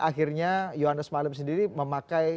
akhirnya johannes malm sendiri memakai